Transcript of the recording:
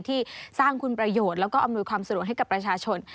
ที่สร้างคุณประโยชน์แล้วก็อำนวยความสะดวกให้กับประชาชน